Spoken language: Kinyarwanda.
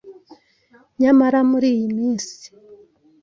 Nyamara muri iyi minsi